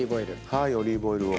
はいオリーブオイルを。